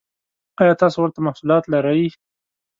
ایا تاسو ورته محصولات لرئ؟